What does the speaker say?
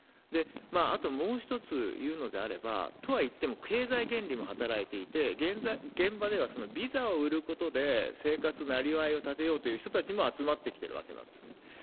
あともう一つ言うのであれば、とはいっても経済原理も働いていて、現場ではビザを売ることで生活、なりわいを立てようという人たちも集まってきてるわけですよね。